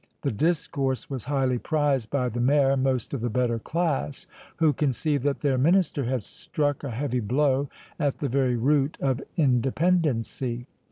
The discourse was highly prized by the Mayor and most of the better class, who conceived that their minister had struck a heavy blow at the very root of Independency.